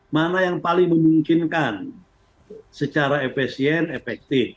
mana yang paling memungkinkan secara efisien efektif